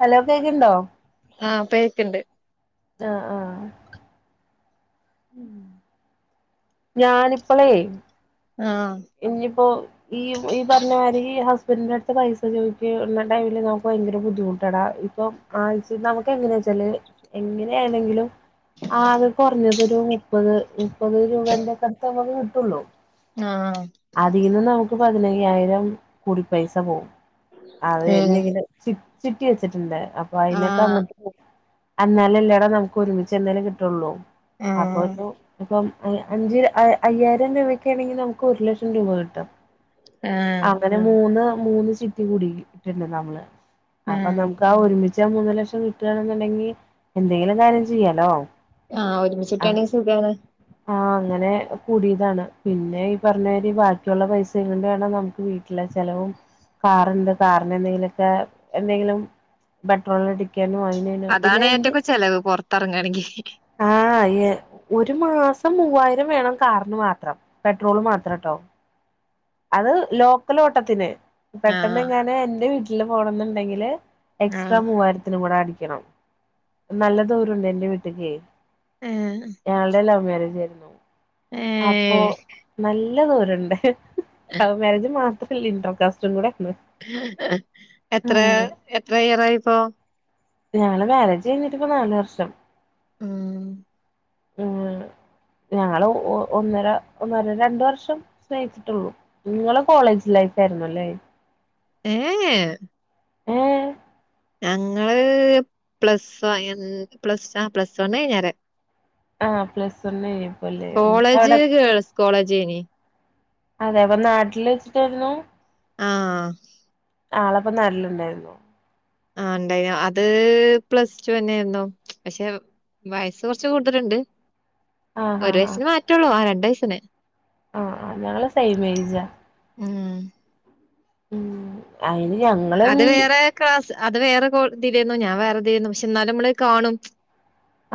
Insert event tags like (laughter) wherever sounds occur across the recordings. Hello കേക്ക്ണ്ടോ? ആ ഇപ്പ കെക്ക്ണ്ട്. ആ ആ. ഉം ഞാനിപ്പളേയ്. ആ. ഇഞ്ഞിപ്പോ. ഈവ് ഈ പറഞ്ഞമാരീ ഈ ഹസ്ബെന്റിന്റെട്ത്ത് പൈസ ചോദിച്ച്ണ ടൈമില് ന്നമുക്ക് ഭയങ്കര ബുദ്ധിമുട്ട്. ട്ടെടാ ഇപ്പം ആഴ്ച്ചില് ന്നമുക്ക് എങ്ങനെയാച്ചല് എങ്ങനെയാണെങ്കിലും. ആ അത് കൊർഞ്ഞത് ഒരു മുപ്പത് മുപ്പത് രൂപേന്റെക്കടുത്ത് ഞമ്മക്ക് കിട്ടൊള്ളൂ. ആ. അതിന്ന് നമക്ക് പതിനയ്യായിരം കുടി പൈസ പോവും അത് ഏഹ് എന്നെങ്കിലും. ചിട്ട് ചിട്ടി വെച്ചിട്ടുണ്ട് അപ്പൊ അയിനൊക്കെ ആഹ് അങ്ങട്ട്പോവും. അന്നാലല്ലെ ലെട ന്നമുക്ക് ഒരുമിച്ച് എന്നെലും കിട്ടൊള്ളൂ അപ്പൊ ആഹ് ഒരു ഇപ്പം. എ അഞ്ച് എ അയ്യായിരം രൂപക്കെണെങ്കി ന്നമുക്കൊരു ലക്ഷം രൂപ കിട്ടും. ആ. നെ മൂന്ന് മൂന്ന് ചിട്ടി കൂടിട്ട്ണ്ട് നമ്മള് അപ്പൊ ആഹ് ന്നമുക്കാഒരുമിച്ച്. ട്യാ മൂന്ന് ലക്ഷം കിട്ട്യാണ്ന്ന്ണ്ടെങ്കി എന്തെങ്കിലോര് കാര്യം ചെയ്യാലോ. ആ ഒരുമിച്ചിട്ടാണെങ്കി സുഖാണ്. ആ അങ്ങനെ കൂടിതാണ് പിന്നെ ഈ പറഞ്ഞെ. ഇ ബാക്കിയുള്ള പൈസ കൊണ്ട് വേണം ന്നമുക്ക് വീട്ടിലെ ചെലവും. കാറുണ്ട് കാറിന് എന്തെങ്കിലോക്കെ എന്തെങ്കിലും പെട്രോളടിക്. അതാണ് ഏറ്റക്കും ചെലവ് പോർത്തറങ്ങാണെങ്കി. ആ അയെ ഒര് മാസം മൂവായിരം വേണം കാറിന് മാത്രം പെട്രോള് മാത്രംട്. ട്ടവും. അത് ലോക്കൽ ഓട്ടത്തിന് പെട്ടെന്ന് ആഹ് എങ്ങെനെ എന്റെ വീട്ടില് പോണംന്നുണ്ടെങ്കില്. എക്സ്ട്രാ ആഹ് മൂവായിരത്തിനും കൂടെ അടിക്കണം നല്ലദൂരോണ്ട് എന്റെ വീട്ടക്കെയ്. ഏ. ഞങ്ങളുടെ ലവ് മാരേജ് ര്ന്നു അപ്പൊ ഏഹ് നല്ലദൂരണ്ട് എഹ്. ലവ് മാരേജ് മാത്രമല്ല ഇന്റർകാസ്റ്റും കൂടെ ആയിരുന്നു. എ എത്രെ എത്രെ ഇയറായിപ്പോ? ഞങ്ങളെ മാരേജ് കഴിഞ്ഞിട്ട് ഇപ്പോ നാല് വർഷം. ഉം. ആഹ്. ഞങ്ങള് ഒ ഒന്നര ഒന്നര രണ്ട് വർഷം സ്നേഹിച്ചിട്ടൊള്ളൂ. ഇങ്ങളെ കോളേജ് ലൈഫ് ആരുന്നുല്ലേ. ഏഹ്ഏ. ഏഹ്. ഞങ്ങള് പ്ലസ് വയൻ പ്ലസ് അ പ്ലസ് വണ്ണ്ഴ്ഞ്ഞരേ. ആ പ്ലസ് വണ്ണെനു. കോളേജ് ഗേൾസ് കോളേജേനി. അതെ അപ്പൊ നാട്ടിൽ വെച്ചിട്ടെരുന്നു. ആഹ്. ആളപ്പ നല്ലുണ്ടായിരുന്നു. ആഹ് ഉണ്ടായിനു അത് പ്ലസ് ടു തന്നെയായിരുന്നു പക്ഷെ വയസ്സ് കുറച്ച് കൂടുതലുണ്ട് ആഹ് ഒരു ആഹ് ആഹ് വയസ്സിന് മാറ്റുള്ളൂ ആ രണ്ട് വയസ്സിന്. ആഹ് ആഹ് ഞങ്ങള് സെയിം എജാ. ഉം. ഉം. അയിന് ഞങ്ങ അത് വേറെ ക്ലാസ് അത് വേറെ കോ ഇതിലായിരുന്നു ഞാൻ വേറെ ഇതിലായിരുന്നു പക്ഷെ എന്നാലും നമ്മള് കാണും.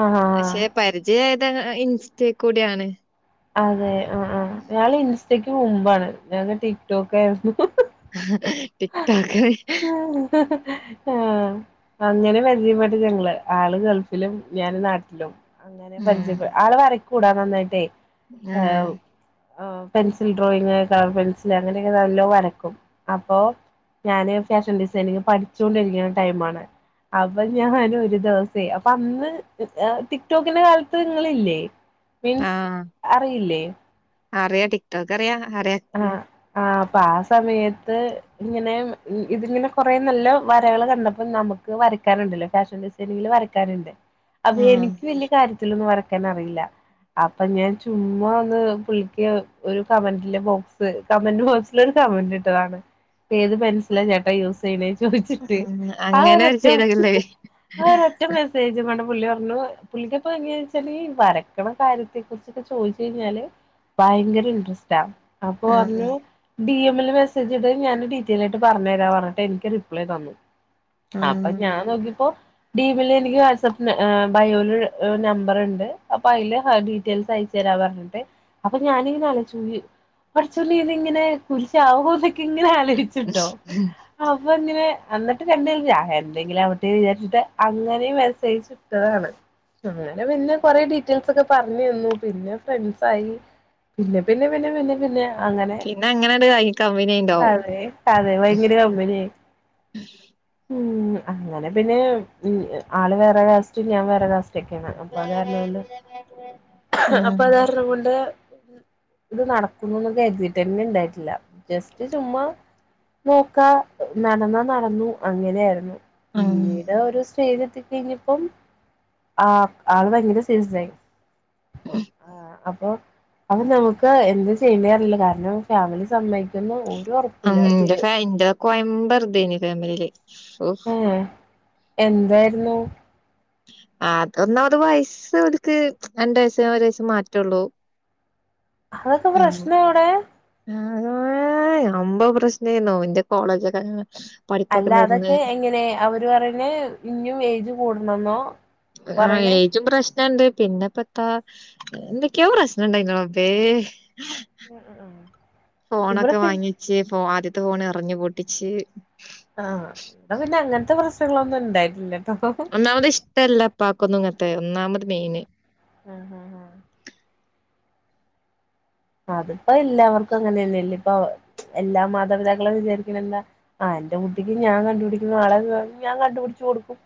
ആഹ് ഹ. പക്ഷെ പരിചയായത് ഇൻസ്റ്റ കൂടെ ആണ്. അതെ ആഹ് ആഹ് ഞങ്ങൾ ഇൻസ്റ്റക്ക് മുമ്പാണ് ഞങ്ങ ടിക്ക് ടോക്ക് ആയിരുന്നു. ആഹ് ടിക്ക് ടോക്ക്. ആഹ്. അങ്ങനെ പരിചയപെട്ടു ഞങ്ങള് ആള് ഗൾഫിലും ഞാന് നാട്ടിലും. അങ്ങനെ ഉം പരിചയപ്പെ ആള് വരക്കൂ ഡാ നന്നായിട്ടേ ഉം ഏഹ്. ആഹ് പെൻസിൽ ഡ്രോയിങ് കളർ പെൻസില് അങ്ങനെയൊക്കെ നല്ലോ വരക്കും അപ്പോ ഞാന് ഫാഷൻ ഡിസൈനിങ് പഠിച്ചോണ്ടിരിക്കണ ടൈമാണ്. അപ്പൊ ഞാന് ഒരു ദിവസേ അപ്പൊ അന്ന് ടിക് ടോക്കിന്റെ കാലത്ത് നിങ്ങളില്ലേ. മീൻസ് അറിയില്ലേ? അറിയ ടിക്‌ ടോക്ക് അറിയ അറിയ. ആഹ് ആഹ് അപ്പ ആഹ് സമയത്ത് ഇങ്ങനെ ഇതിങ്ങനെ കൊറെ നല്ല വരകള് കണ്ടപ്പോ നമുക്ക് വരയ്ക്കാനുണ്ടല്ലോ ഫാഷൻ ഡിസൈൻ ഇതില് വരക്കാനുണ്ട് അപ്പൊ ഉം എനിക്ക് വെല്ല്യ കാര്യത്തില് ഒന്നും വര ക്കാൻ അറിയില്ല അപ്പൊ ഞാൻ ചുമ്മാ ഒന്ന് പുള്ളിക്ക് ഒരു കമന്റില് ബോ ക്‌സ് കമന്റ് ബോക്സില് ഒരു കമന്റ് ഇട്ടതാണ്. ഏത് പെൻസില ചേട്ടാ യൂസ് ചെയ്യണേ ചോയിച്ചിട്ട് ആ ഒരു ഒറ്റ ഉ അതെ ഒറ്റ മെസ്സേജ് കൊണ്ട് പുള്ളി പറഞ്ഞു പുള്ളിക്കപ്പ എങ്ങനെയാന്ന് വെച്ചാല് വരക്കണ കാര്യത്തെ കുറിച്ചൊക്കെ ചോദിച്ച് കഴിഞ്ഞാല് ഭയങ്കര ഇൻട്രസ്റ്റ അപ്പൊ ആഹ് പറഞ്ഞു ഡി എം ല് മെ സ്സേജിട് ഞാൻ ഡീറ്റെലായിട്ട് ആയിട്ട് പറഞ്ഞു തരാ പറഞ്ഞിട്ട് എനിക്ക് റിപ്ലൈ തന്നു. അപ്പൊ ഉം ഞാൻ നോക്കിപ്പോ. ഡീ പിൽ എനിക്ക് വാട്സ് ആപ്പ് ബയോല് നമ്പർ ഉണ്ട് അപ്പൊ അതില് ഡീറ്റെയിൽസ് അയച്ച തരാം പറ അന്നിട്ട് അപ്പൊ ഞാനിങ്ങനെ അലോയിച്ചോക്കി കൊറച്ച് കഴിഞ്ഞ് ഇങ്ങനെ കുരിശാവോന്നോക്കെ ഇങ്ങനെ ആലോചിച്ചിട്ടോ. അപ്പൊ ഇങ്ങനെ അന്നിട്ട് രണ്ട് പേരും എന്തെങ്കിലും ആവട്ടെ വിചാരിച്ചിട്ട് അങ്ങനെ മെസ്സേജ് അയച്ചു. ആഹ് ആണ് അങ്ങനെ പിന്നെ കൊറെ ഡീറ്റെയിൽസ് ഒക്കെ പറഞ്ഞു തന്നു പിന്നെ ഫ്രണ്ട്സ് ആയി. പിന്നെ പിന്നെ പിന്നെ പിന്നെ പിന്നെ അങ്ങനെ പിന്നെ അങ്ങനെണ്ട് കൈ കമ്പനിയായിണ്ടാവും അതെ അതെ ഭയങ്കര കമ്പനിയായി ഉ അങ്ങനെ പിന്നെ ആള് വേറെ കാസ്റ്റും ഞാൻ വേറെ കാസ്റ്റും ഒറ്റയ്ക്ക് ആണ് അപ്പൊ അത് കാരണാണ് ആഹ് അപ്പൊ അത് കാരണം കൊണ്ട് ഇത് നടക്കുന്നുന്നൊക്കെ കരുതിട്ടന്നെ ഇണ്ടായിട്ടില്ല ജസ്റ്റ് ചുമ്മ നോക്കാ നടന്നാ നടന്നു അങ്ങനെ ആയിരുന്നു ഉം പിന്നീട് ഒരു സ്റ്റേജ് എത്തിക്കഴിഞ്ഞപ്പം ആ ആള് ഭയങ്കര സീരിയസ് ആയി ആ അപ്പൊ നമ്മുക്ക് എന്ത് ചെയ്യേറില്ല കാരണം ഫാമിലി സമ്മ പിന്നെ ഒരു ഒറപ്പും ഇല്ല അത് കോയമ്പറുതേനി ഫാമിലില് ഓ എ എന്തായിരുന്നു ആർക്ക് ഒന്നാമത് വയസ്സ് അക്ക് രണ്ട് വയസ്സ് ഒരു വയസ്സ് മാറ്റള്ളൂ അതൊക്കെ പ്രശ്ന എവിടെ അത അമ്പ പ്രശ്നന്നോ ഇന്റെ കോളേജൊക്കെ പഠിപ്പൊക്കെ അല്ല നിർന്ന് അതൊക്കെ എങ്ങനെ അവര് പറഞ്ഞ് ഇനും ഏജ് കൂടണംന്നോ ആ പറയണേ ഏജും പ്രശ്നുണ്ട് പിന്നെ പത്ത ഏതാകൊയോ പ്രശ്നം ഉണ്ടായിരുന്നു റബ്ബേ ഉം ഉം ഉം ഇവിടെ ഫോണൊക്കെ പി വാങ്ങിച്ച് ഫോ ആദ്യത്തെ ഫോൺ എറഞ്ഞു പൊട്ടിച്ച് ആഹ് ഇന്ത പിന്നെ അങ്ങനത്തെ പ്രശ്നങ്ങളൊന്നും ഉണ്ടായിട്ടില്ലട്ടോ ഒന്നാമത് ഇഷ്ടമല്ല ഇപ്പ ക്കൊന്നും ഇങ്ങനത്തെ ഒന്നാമത് മെയിന് ഹ ഹ ഹ അതിപ്പോ എല്ലാവർക്കും അങ്ങനെയ തന്നെല്ല ഇപ്പൊ എല്ലാ മാതാപിതാക്കളും വിചാരിക്കണ എന്താ ആ് എന്റെ കുട്ടിക്ക് ഞാൻ കണ്ടുപിടിക്കുന്ന ആളെ ഞാൻ കണ്ടുപിടിച്ചു കൊടുക്കും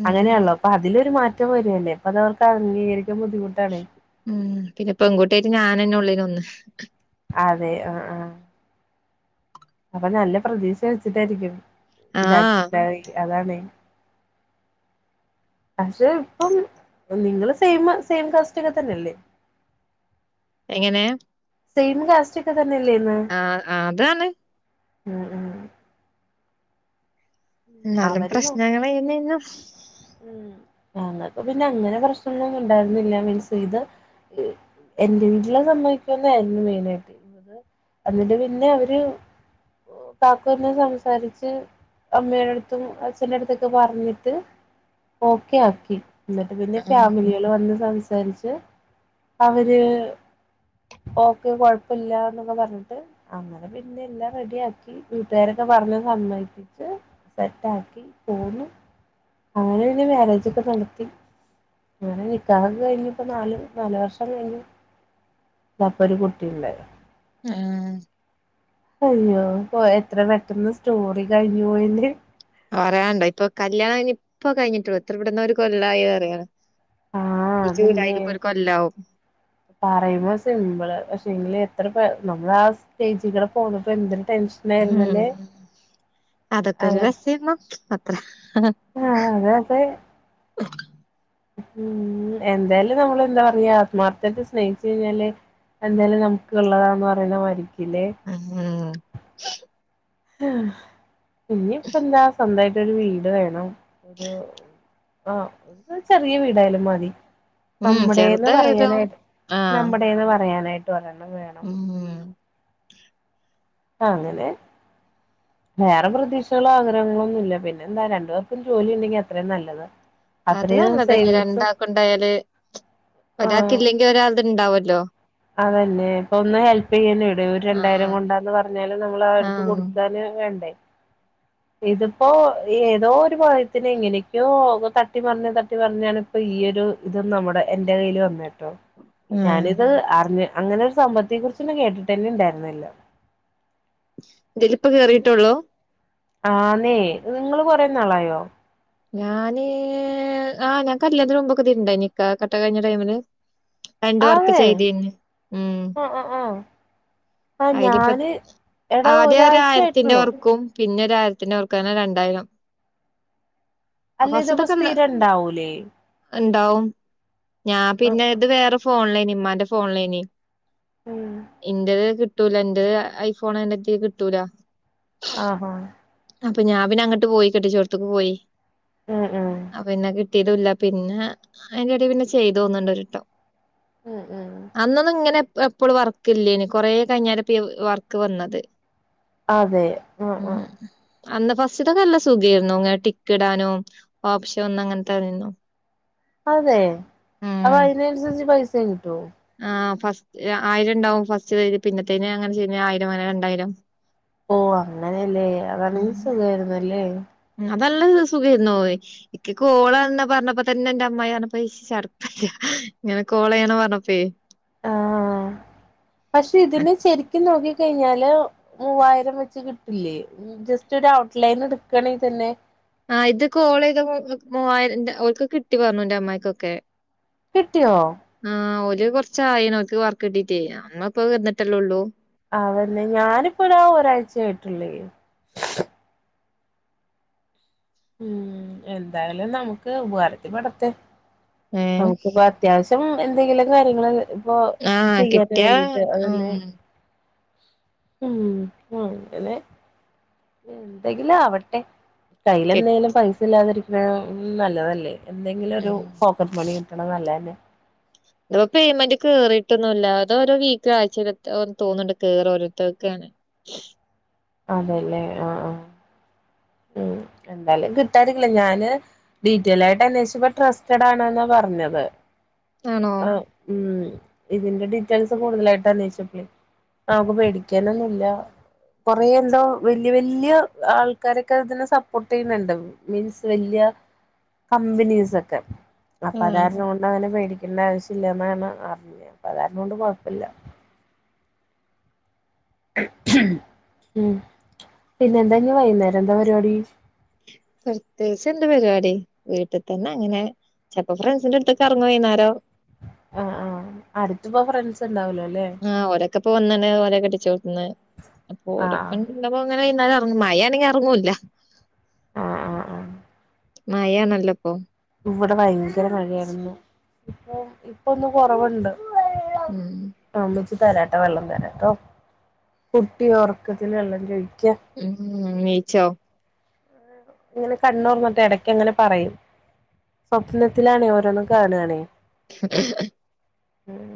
ഉം അങ്ങനെയാല്ലോ അപ്പൊ അതിലൊരു മാറ്റം വരുല്ലേ അപ്പ അത് അവർക്ക് അംഗീകരിക്കാൻ ബുദ്ധിമുട്ടാണ് ഉം പിന്നെപ്പെകൂട്ടായിട്ട് ഞാനന്നെ ഉള്ള ഒന്ന് അതെ ആ ആ അപ്പൊ നല്ല പ്രതീക്ഷ വെച്ചിട്ടായിരിക്കും ഇതാക്കി ആഹ് ഉണ്ടായി അതാണ് പക്ഷെ ഇപ്പം നിങ്ങളൾ സെയിം സെയിം കാസ്റ്റ ഒക്കെ തന്നെയല്ലേ എങ്ങനെ സെയിം കാസ്റ്റ് ഒക്കെ തന്നെല്ലേന്ന് ആഹ് അതാണ് എന്നാലും പ്രശ്നങ്ങൾന്നും ഉ ഞങ്ങൾക്ക് പിന്നെ അങ്ങനെ പ്രശ്നങ്ങളൊന്നും ഉണ്ടായിരുന്നില്ല മീൻസ് ഇത് എന്റെറെ വീട്ടിലെ സമ്മവിക്കന്നരുന്നു മെയിന ആായിട്ട് എന്നിട്ട് പിന്നെ അവര് കാക്കൂനെ സംസാരിച്ച് അമ്മയയുടെടുത്ത് അച്ഛന്റെ അടുത്തൊക്കെ പറഞ്ഞിട്ട് ഓക്കേ ആക്കി എന്നിട്ട് പിന്നെ ഉം ഫാമിലിയ വന്ന് സംസാരിച്ച് അവര് ഓക്കെ കൊഴപ്പമില്ല എന്നൊക്കെ പറഞ്ഞിട്ട് അങ്ങെ അ പിന്നെ എല്ലാം റെഡിയാക്കി വീട്ടുകാരൊക്കെ പറഞ്ഞ് സമ്മതിപ്പിച്ച് സെറ്റ് ആക്കി പോന്നു അങ്ങനെ പിന്നെ മാരേജ ഒക്കെ നടത്തി അങ്ങനെ നിക്കാഹ് ക്കെ കഴിഞ്ഞു ഇപ്പ നാല് നാല് വർഷം കഴിഞ്ഞു ഇപ്പൊ ഒരു കുട്ടിയണ്ട ഉം അയ്യോ ഇ എത്ര പെട്ടെന്ന് സ്റ്റോറി കഴിഞ്ഞു പോയിന് പറയാനണ്ട ഇപ്പ കല്യാണം ഇ ഇപ്പൊ കഴിഞ്ഞിട്ടുള്ളു എത്ര പെടുന്ന ഒരു കൊല്ലായ പറയാണ് ആഹ് ഇജ് അതല്ലേ വിടായിന്റ് കൊല്ലാവ പറയുമ്പോ സിമ്പിള് പക്ഷെ എങ്കില് എത്ര പ നമ്മള ആ സ്റ്റെജു കൂടെ പോന്നപ്പോ എന്തരു ടെൻഷനായിരുന്നല്ലേ അതൊക്കെരു ആഹ് രസേരുന്നു അത്ര അതെ അതെ ഉം എന്തായാലും നമ്മള് എന്താ പറയാ ആത്മാർത്ഥട്ട സ്നേഹിച്ചു കഴിഞ്ഞാല് എന്തായാലും നമുക്ക് ഉള്ളതാന്ന് പറയുന്ന മരിക്കില്ലേ ആഹ്‌ ആഹ്‌ ആ ഇനിപ്പ എന്താ സ്വന്തമായിട്ട ഒരു വീട് വേണം ഒരു ആ ഒരു ചെറിയ വീടായാലും മതി ഉം നമ്മടന്ന് ചെറുതായതോ പറയാനായിട്ട് ആഹ് നമ്മടന്ന് പറയാനായിട്ട് ഒരെണ്ണം വേണം ഉം ആ അങ്ങനെ വേറെ പ്രതീക്ഷകളോ ആഗ്രഹങ്ങളോ ഒന്നും ഇല്ല പിന്നെ എന്താ രണ്ടു പേർക്കും ജോലി ഉണ്ടെങ്കി അത്രയും നല്ലത് അത് അത്രയും നല്ലതന്ന സേവിങ്സും രണ്ടാക്ക് ഉണ്ടായാല് ഒരാൾക്ക് ഇല്ലെങ്കിൽ ഒരാൾത് ഇണ്ടാവല്ലോ അതല്ലേ ഇപ്പൊ ഒന്ന് ഹെൽപ് ചെയ്യാന ഇവിട ആഹ് രണ്ടായിരം കൊണ്ടാന്ന് പറഞ്ഞാല് നമ്മൾ ആ ആഹ് അടുത്ത് ആഹ് കൊടുക്കാന് വേണ്ടേ ഇതിപ്പോൊ ഏതോ ഒരു ഭയത്തിന് എങ്ങനക്കോ തട്ടി പറഞ്ഞഞ് തട്ടി പറഞ്ഞാണ് ഇപ്പൊ ഈയൊ ഒരു ഇത നമ്മുടെ എന്റെ കയ്ൽ വന്നെ ട്ടോ ഉം ഞാനിത് അറിഞ്ഞ അങ്ങനെ ഒരു സമ്പത്തെയെ കുറിച്ചന്നെ കേട്ടിട്ട്ന്നെ ഇണ്ടായിരുന്നില്ല. ദലിപ്പോ കയറിയിട്ടുള്ളൂ. ആന്നേ നിങ്ങള് കൊറെ നാളായോ? ഞാന് ആഹ് ഞാൻ കല്യാത്തിന് മുമ്പൊക്കെതിലുണ്ടായി നിക്കാഹക്കെ കഴിഞ്ഞ ടൈമില് രണ്ട് വർക്ക് അതെ ചെയ്തിന് ഉം ആഹ് ആഹ് ആഹ് ആഹ് അതിനിപ്പ ഞാന് എടാ ആദ്യം ഒരാഴ്ച ഒരുആയിരത്തിന്റെ ആയിട്ടുള്ളൂ വർക്കും പിന്നെ ഒരു ആയിരത്തിന്റെ വർക്കും അങ്ങനെ രണ്ടായിരം. അല്ല ഇതപ്പ സ്ഥിരം ഉണ്ടാവൂലേ. ഉണ്ടാവും ഞാൻ പിന്നെ ഇത് വേറെ ഫോണിലേനി ഉമ്മാന്റെ ഫോണിലേനീ ഉം എന്റേത് കിട്ടൂല എന്റത് ഐഫോൺ അയ്നെ കിട്ടൂല. ആഹ്‌ ആഹ്‌ അപ്പൊ ഞാ പിന്ന അങ്ങട്ട് പോയി കെട്ടിചോട്ത്തക്ക് പോയി. ഏ ഏ ഏ അപ്പൊ പിന്നെ കിട്ടിയതുല്ല. പിന്നെ അയിന്റെടെ പിന്നെ ചെയ്തു തോന്നുണ്ട് ഒരട്ടം. ഉം ഉം അന്നൊന്നും ഇങ്ങനെ എപ്പ പ്പോള് വർക്ക് ഇല്ലേന് കൊറേ കഴിഞ്ഞാരെപ്പീ വർക്ക് വന്നത്. അതെ ഉം ഉം അന്ന് ഫസ്റ്റ്ത് നല്ല സുഖയിരുന്നു ങ്ങനെ ടിക്ക് ഇടാനോ ഓപ്ശോ ഒന്ന ങ്ങനത്തെരുന്നു. അതെ അപ്പൊ അതിനനുസരിച്ച് പൈസ കിട്ടുവോ? ആ ഫസ്റ്റ് ആയിരണ്ടാവും ഫസ്റ്റ് പിന്നെത്തേ അങ്ങനെ ചെയ്യണിന് ആയിരം അങ്ങനെ രണ്ടായിരം. ഓ അങ്ങനല്ലേ ഉം അതണങ്കി സുഖയിരുന്നല്ലേ. അതല്ല സുഖേര്ന്നോയ് ! ! ! ! ! ! ! ! ! ! ആഹ്‌ പക്ഷെ ഇതിന് ശരിക്ക്നോക്കി കഴിഞ്ഞാല് മൂവായിരം വെച്ച് കിട്ടില്ലേ. ജസ്റ്റ് ഒരു ഔട്ട് ലൈൻ എടുക്കണെങ്കിൽ തന്നെ ആ ഇത് കോൾ ചെയ്ത മുവായിരം ഓൽക്ക് കിട്ടി പറഞ്ഞു എന്റെ അമ്മയ്ക്കൊക്കെ കിട്ടിയോ ആഹ ഓല്കുറച്ചായി നോക്ക് വർക്ക് കിട്ടീട്ടേ നമ്മ ഇപ്പ വന്നിട്ടല്ലേള്ളൂ. അവന്നെ ഞാനിപ്പതാ ഒരാഴ്ച ആയിട്ടുള്ളേേ ഉം എന്തായാലും നമുക്ക് ഉപകാരത്തിൽ പെടെട്ടെ ഏഹ് നമുക്കിപ്പ അത്യാവശ്യം എന്തെങ്കിലും കാര്യങ്ങളല്ലേ ഇപ്പൊ ആഹ് ചെയ്യാന് കിട്ടിയാ വേണ്ടിട്ട് അതനെ ഉം ഉം അങ്ങനെ എന്തെങ്കിലും ആവട്ടെ, കയ്യിൽ എന്തെങ്കിലും പൈസ ഇല്ലാതിരിക്കുന്ന ഉം നല്ലതല്ലേ, എന്തെങ്കിലും ഒരു ഉം പോക്കറ്റ് മണി കിട്ടണ് നല്ലതല്ലെ. ഇത് പേയ്മെന്റ് കേറിയിട്ടൊന്നും ഇല്ല അതോരോ വീക്കിലുംആഴ്ച തോന്നുന്നുണ്ട് കേയറ ഓരോര്ത്തര്ക്ക്ങ്ങനെ. (unintelligible) അതെല്ലേ ആ ആ ഉം എന്താലും കിട്ടാനില്ല ഞാന് ഡീറ്റെൽ ആയിട്ട് അന്വേഷിച്ചപ്പ ട്രസ്റ്റഡ് ആണ്ന്നാ പറഞ്ഞത് ആണോ ആ ഉം ഇതിന്റെ ഡീറ്റെയിൽസ് കൂടുതലായിട്ട് അനോഷിച്ചപ്പഴേ നമുക്ക് പേടിക്കാനൊന്നുമില്ല കൊറെ എന്തോ വല്യ വല്യ ആൾ ആൾക്കാരൊക്കെ ഇതിനെ സപ്പോർട്ട് ചെയ്യുന്നുണ്ട് മീൻസ് വലിയ കമ്പനീസ് ഒക്കെ അപ്പൊ ആഹ് അതാരണം കൊണ്ട് അങ്ങനെ പേടിക്കേണ്ട ആവശ്യല്ല എന്നാണ് അറിഞ്ഞത് അപ്പൊ അതാരണം കൊണ്ട് കുഴപ്പല്ല. ഉം പിന്നെ എന്താ ഇന്ന് വൈകുന്നേരം എന്താ പരിപാടി. പ്രത്യേകിച്ച് എന്ത് പരിപാടി വീട്ടിൽ തന്നെ അങ്ങനെ ചിലപ്പോ ഫ്രണ്ട്സിന്റെ അടുത്ത് കറങ്ങും വൈകുന്നാരോ ആഹ് ആഹ് അടുത്തപ്പോ ഫ്രണ്ട്സ് ഉണ്ടാവലോല്ലെ. ആഹ് ഓരൊക്കെ പ്പൊ വന്ന്ണ് ഓലെക്കെട്ടിച്ചോട്ത്ത്ന്ന്. ആഹ് ഓരപ്പൻ ആഹ് ഇന്നിപ്പോങനെ വൈകുന്നാരറങ്ങും മഴയാണെങ്കി ഇറങ്ങൂല്ല. ആഹ് ആഹ് ആഹ് മയാണല്ലെപ്പോ. ഇവിടെ ഭയങ്കര മഴയായിരുന്നു. ഇപ്പൊ ഇപ്പൊന്ന് കൊറവുണ്ട്. ഉം ഉമ്മച്ചി തരാട്ടോ വെള്ളം തരാട്ടോ കുട്ടി ഒറക്കത്തിൽ വെള്ളം ചൊയിക്ക. (unintelligible) ഇങ്ങനെ കണ്ണൊർന്നിട്ട് എടയ്ക്കങ്ങനെ പറയും. സ്വപ്നത്തിലാണേ ഓരോന്ന് കാണാണെ. (inaudible) (inaudible)